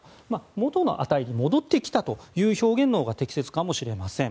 元の値に戻ってきたという表現のほうが適切かもしれません。